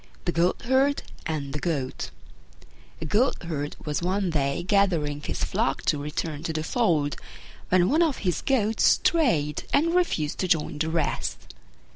THE GOATHERD AND THE GOAT A Goatherd was one day gathering his flock to return to the fold, when one of his goats strayed and refused to join the rest.